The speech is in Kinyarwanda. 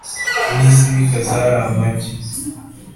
N’izibika zari amagi.